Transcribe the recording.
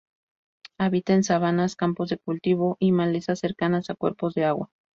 Habita en sabanas, campos de cultivo y malezas cercanas a cuerpos de agua.